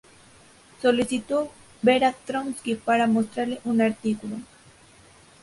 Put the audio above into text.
Solicitó ver a Trotski para mostrarle un artículo.